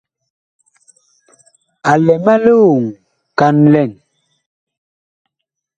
A lɛ ma lioŋ kan lɛn.